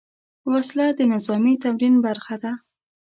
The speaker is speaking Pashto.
وسله د نظامي تمرین برخه ده